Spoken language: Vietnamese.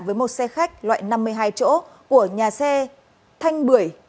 với một xe khách loại năm mươi hai chỗ của nhà xe thanh bưởi